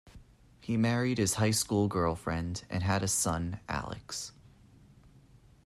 He married his high school girlfriend and had a son Alex.